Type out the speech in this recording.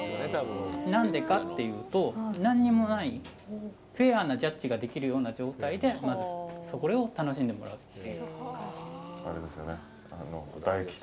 何でかっていうと何もないフェアなジャッジができるような状態でまず、お米を楽しんでもらう。